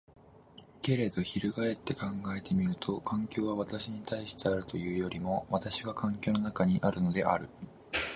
けれど翻って考えてみると、環境は私に対してあるというよりも私が環境の中にあるのである。